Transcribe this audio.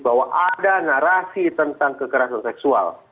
bahwa ada narasi tentang kekerasan seksual